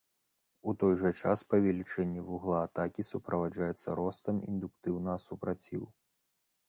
У той жа час, павелічэнне вугла атакі суправаджаецца ростам індуктыўнага супраціву.